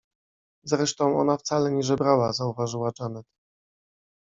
— Zresztą ona wcale nie żebrała — zauważyła Janet.